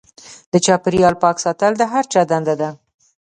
د چاپیریال پاک ساتل د هر چا دنده ده.